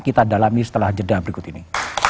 kita dalam ini setelah jeda berikut ini